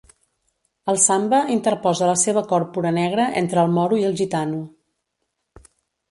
El Samba interposa la seva còrpora negra entre el moro i el gitano.